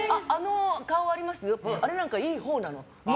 あれなんか、いいほうなの。